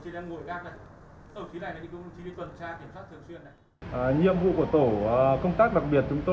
chúng tôi đang ngồi gác ở phía này chúng tôi đi tuần tra kiểm soát thường xuyên